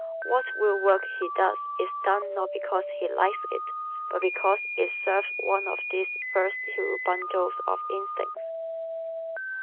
What real work he does is done not because he likes it but because it serves one of these first two bundles of instincts.